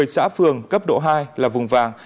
một mươi xã phường cấp độ hai là vùng vàng